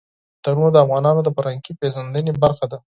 تنوع د افغانانو د فرهنګي پیژندنې برخه ده.